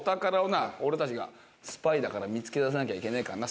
俺たちがスパイだから見つけ出さなきゃいけねえからな。